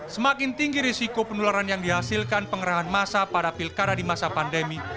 semakin tinggi risiko penularan yang dihasilkan pengerahan masa pada pilkada di masa pandemi